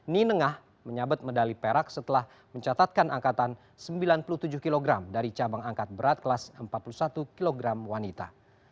ninengah menyabet medali perak setelah mencatatkan angkatan sembilan puluh tujuh kg dari cabang angkat berat kelas empat puluh satu kg wanita